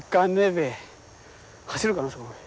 走るからなそこまで。